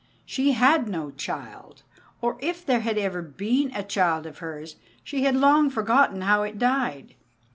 She had no child, or if there had ever been a child of hers, she had long forgotten how it died.